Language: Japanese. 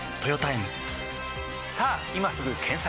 さぁ今すぐ検索！